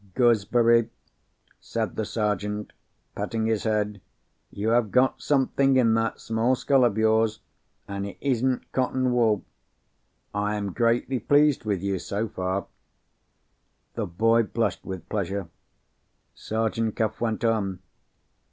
"Gooseberry," said the Sergeant, patting his head, "you have got something in that small skull of yours—and it isn't cotton wool. I am greatly pleased with you, so far." The boy blushed with pleasure. Sergeant Cuff went on.